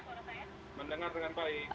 mendengar dengan baik